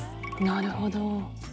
なるほど。